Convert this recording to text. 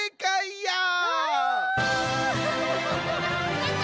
やった！